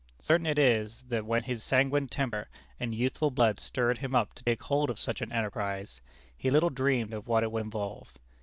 Certain it is that when his sanguine temper and youthful blood stirred him up to take hold of such an enterprise, he little dreamed of what it would involve.